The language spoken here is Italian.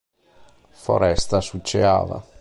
Foresta Suceava".